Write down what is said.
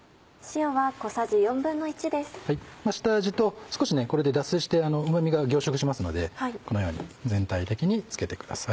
下味と少しこれで脱水してうま味が凝縮しますのでこのように全体的に付けてください。